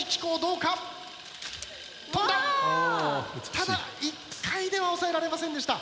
ただ１回では押さえられませんでした。